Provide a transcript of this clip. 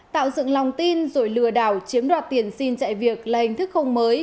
tạo dựng lòng tin rồi lừa đảo chiếm đoạt tiền xin chạy việc là hình thức không mới